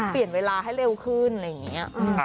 เปลี่ยนเวลาให้เร็วขึ้นอะไรอย่างนี้